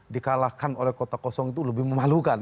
dikalahkan oleh kota kosong itu lebih memalukan